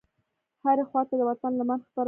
هرې خواته د وطن لمن خپره شوه.